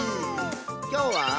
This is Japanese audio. きょうは。